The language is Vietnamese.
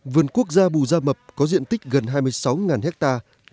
vườn quốc gia bù gia mập có diện tích gần hai mươi sáu hectare